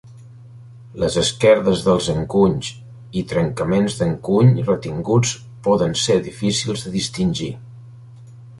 Las esquerdes dels encunys i trencaments d'encuny retinguts poden ser difícils de distingir.